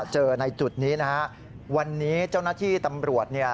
เจอในจุดนี้วันนี้เจ้านาที่ตำรวจนี้